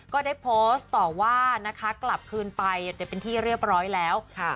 ก็ได้โพสต์ต่อว่านะคะกลับคืนไปแต่เป็นที่เรียบร้อยแล้วค่ะ